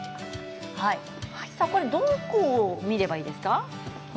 どこを見ればいいですか？